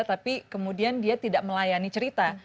tapi kemudian dia tidak melayani cerita